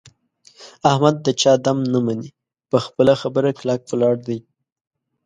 احمد د چا دم نه مني. په خپله خبره کلک ولاړ دی.